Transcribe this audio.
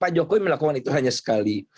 pak jokowi melakukan itu hanya sekali